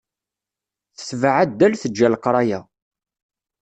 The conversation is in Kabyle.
Tetbeε addal, teǧǧa leqraya.